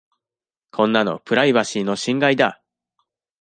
こんなのプライバシーの侵害だ。